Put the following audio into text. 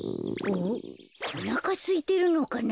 おなかすいてるのかな？